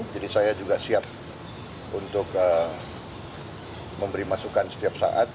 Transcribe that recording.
jadi saya juga siap untuk memberi masukan setiap saat